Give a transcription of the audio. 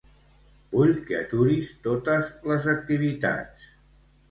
Vull que aturis totes les activitats.